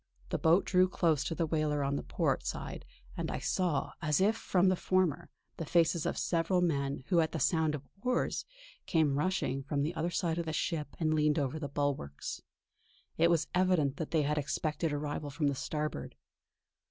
The boat drew close to the whaler on the port side, and I saw, as if from the former, the faces of several men who at the sound of oars came rushing from the other side of the ship and leaned over the bulwarks. It was evident that they had expected arrival from the starboard.